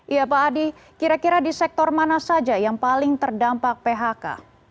iya pak adi kira kira di sektor mana saja yang paling terdampak phk